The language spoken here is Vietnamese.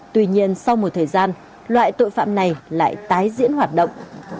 tuy nhiên sau một thời gian loại tội phạm này lại tái diễn hoạt động